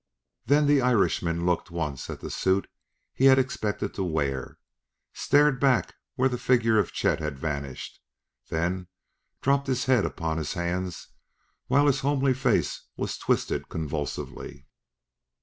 Then the Irishman looked once at the suit he had expected to wear, stared back where the figure of Chet had vanished, then dropped his head upon his hands while his homely face was twisted convulsively.